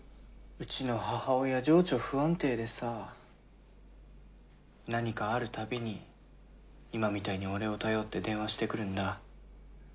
うちの母親情緒不安定でさぁ何かあるたびに今みたいに俺を頼って電話してくるんだ。